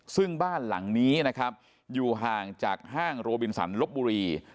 ซึ่งบ้านหลังนี้นะครับอยู่ห่างจากห้างโรบินสันลบบุรี